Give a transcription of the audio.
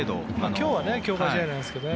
今日は強化試合ですけどね